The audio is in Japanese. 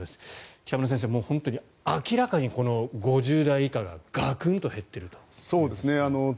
北村先生、明らかに５０代以下がガクンと減っていると。